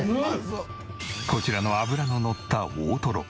こちらの脂ののった大トロ。